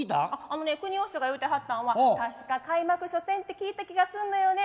あのねくにお師匠が言うてはったんは「確か開幕初戦って聞いた気がすんのよね